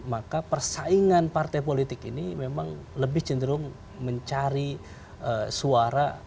maka persaingan partai politik ini memang lebih cenderung mencari suara